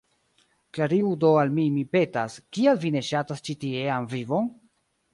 Klarigu do al mi, mi petas, kial vi ne ŝatas ĉi tiean vivon?